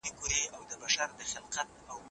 مرغۍ فکر وکړ چې ماشومان به یې په تیږو وولي.